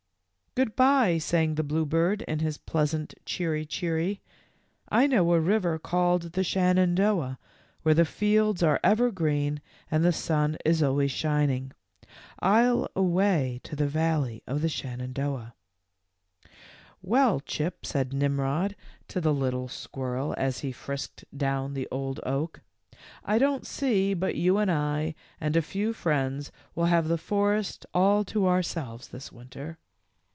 " Good by," sang the bluebird, in his pleas ant " cheery, cheery." "I know a river called the Shenandoah where the fields are ever green and the sun is always shining. I '11 away to the valley of the Shenandoah." " Well, Chip," said Nimrod to the little squir 154 THE LITTLE FORESTERS. rel as he frisked down the old oak, " I don't see but you and I and a few friends will have the forest all to ourselves this winter."